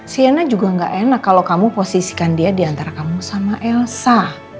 siana juga gak enak kalau kamu posisikan dia diantara kamu sama elsa